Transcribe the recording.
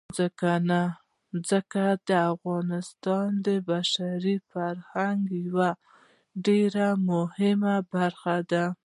ځمکه د افغانستان د بشري فرهنګ یوه ډېره مهمه برخه ده.